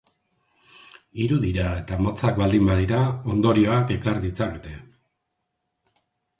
Hiru dira eta motzak baldin badira, ondorioak ekar ditzakete.